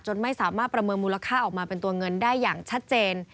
ไม่สามารถประเมินมูลค่าออกมาเป็นตัวเงินได้อย่างชัดเจน